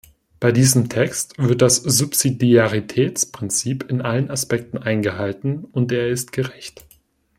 Bei diesem Text wird das Subsidiaritätsprinzip in allen Aspekten eingehalten, und er ist gerecht.